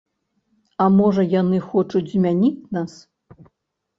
А можа, яны хочуць змяніць нас?